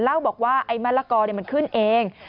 เล่าบอกว่าไอ้มะละกอมันขึ้นเอง